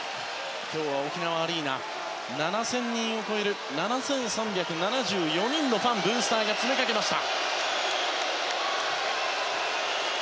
今日は沖縄アリーナは７０００人を超える７３７４人のファンブースターが詰めかけました。